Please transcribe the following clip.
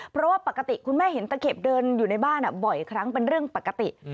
เพราะว่าปกติคุณแม่เห็นตะเข็บเดินอยู่ในบ้านบ่อยครั้งเป็นเรื่องปกติ